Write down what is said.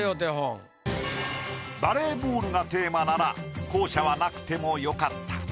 バレーボールがテーマなら校舎はなくてもよかった。